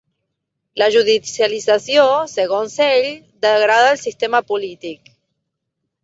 La judicialització, segons ell, degrada el sistema polític.